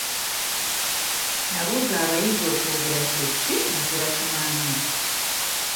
Nnabuuza abayizi okwogera kye ki nga tebakimanyi.